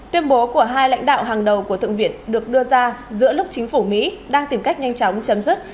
tuyên bố của hai lãnh đạo hàng đầu của thượng viện được đưa ra giữa lúc chính phủ mỹ đang tìm cách nhanh chóng chấm dứt